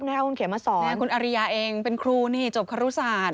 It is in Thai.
พี่น้องคุณเขียนมาสอนนะครับคุณอริยาเองเป็นครูจบครรศาสตร์